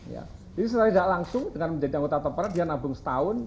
jadi setelah tidak langsung dengan menjadi anggota tapera dia nabung setahun